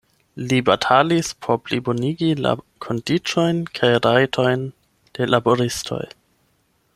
Li batalis por plibonigi la kondiĉojn kaj rajtojn de laboristoj.